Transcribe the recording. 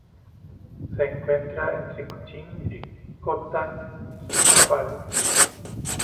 Se encuentra entre Kuching y Kota Kinabalu.